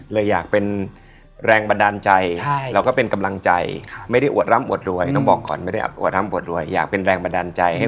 เลยอยากเป็นแรงบันดาลใจ